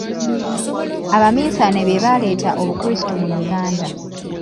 Abaminsane be baaleeta Obukrisito mu Uganda.